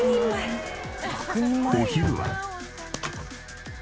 お昼は。